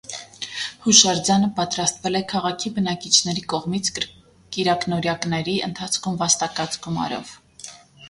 Հուշարձանը պատրաստվել է քաղաքի բնակիչների կողմից կիրակնօրյակների ընթացքում վաստակած գումարով։